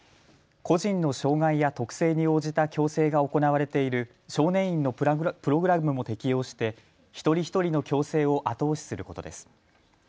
個人の障害や特性に応じた矯正が行われている少年院のプログラムも適用して一人一人の矯正を後押しすることです。